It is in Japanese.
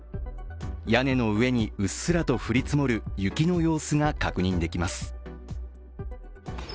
屋根の上にうっすらと降り積もる雪の様子が確認できます。